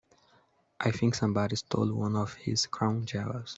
I think somebody stole one of his crown jewels.